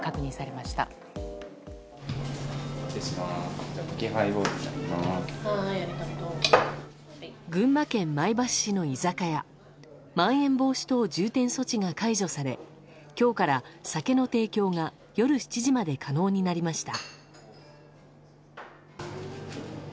まん延防止等重点措置が解除され今日から、酒の提供が夜７時まで可能になりました。